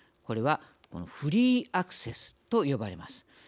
これはフリーアクセスと呼ばれます。